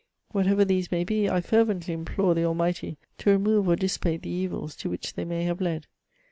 Whatever these may be, I fervently implore the Al mighty to remove or dissipate the evils to which they may have led.